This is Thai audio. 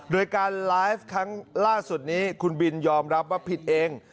โดยการไลฟ์ครั้งล่าสุดนี้คุณบินยอมรับว่าผิดเอง